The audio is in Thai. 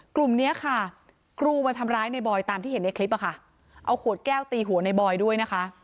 กลุ่มนี้ค่ะครูมาทำร้ายในบอยตามที่เห็นในคลิปอะค่ะเอาขวดแก้วตีหัวในบอยด้วยนะคะ